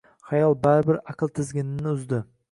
Xayol baribir aql tizginini uzdi.